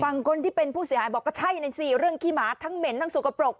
คนที่เป็นผู้เสียหายบอกก็ใช่นั่นสิเรื่องขี้หมาทั้งเหม็นทั้งสกปรก